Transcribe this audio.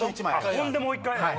ほんでもう１回！